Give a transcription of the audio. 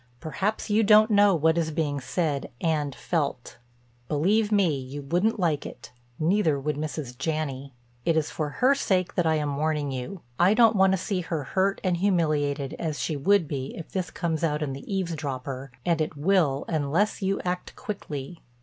Perhaps you don't know what is being said and felt. Believe me you wouldn't like it; neither would Mrs. Janney. It is for her sake that I am warning you. I don't want to see her hurt and humiliated as she would be if this comes out in The Eavesdropper, and it will unless you act quickly.